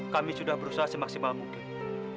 kami sudah berusaha semaksimal mungkin